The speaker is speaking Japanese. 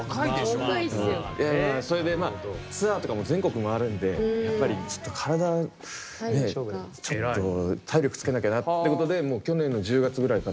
あそれでツアーとかも全国回るんでやっぱりちょっと体ねえちょっと体力つけなきゃなってことでもう去年の１０月ぐらいからずっと通って。